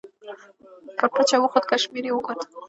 پر پچه وخوت، کشمیر یې وکوت.